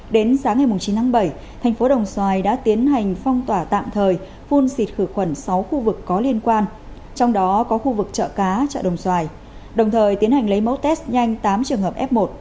đến sáng ngày chín tháng bảy thành phố đồng xoài đã tiến hành phong tỏa tạm thời phun xịt khử khuẩn sáu khu vực có liên quan trong đó có khu vực chợ cá chợ đồng xoài đồng thời tiến hành lấy mẫu test nhanh tám trường hợp f một